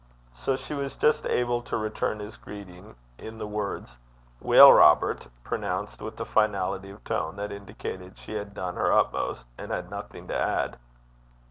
So she was just able to return his greeting in the words, 'Weel, Robert,' pronounced in a finality of tone that indicated she had done her utmost, and had nothing to add.